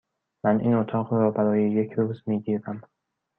من این اتاق را برای یک روز می گیرم.